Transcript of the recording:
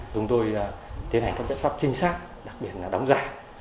chúng tôi tiến hành các biện pháp chính xác đặc biệt là đóng giả